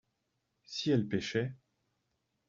si elle pêchait.